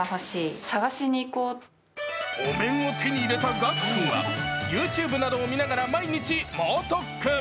お面を手に入れた岳玖君はＹｏｕＴｕｂｅなどを見ながら毎日猛特訓。